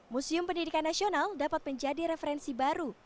museum pendidikan nasional dapat menjadi referensi baru